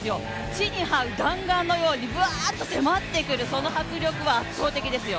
地にはう弾丸のように、ばーっと迫ってくる、その迫力は圧倒的ですよ。